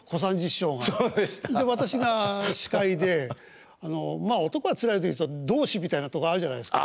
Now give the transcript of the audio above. で私が司会で「男はつらいよ」で言うと同志みたいなとこあるじゃないですか。